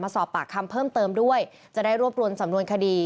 สอบปากคำเพิ่มเติมด้วยจะได้รวบรวมสำนวนคดี